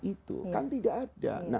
itu kan tidak ada